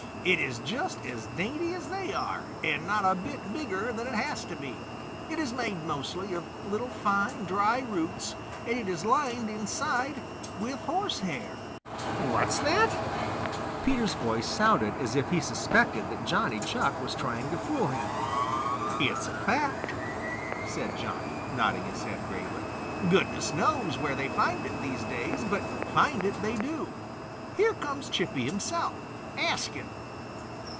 It is just as dainty as they are, and not a bit bigger than it has to be. It is made mostly of little fine, dry roots, and it is lined inside with horse hair." "What's that?" Peter's voice sounded as it he suspected that Johnny Chuck was trying to fool him. "It's a fact," said Johnny, nodding his head gravely. "Goodness knows where they find it these days, but find it they do. Here comes Chippy himself; ask him."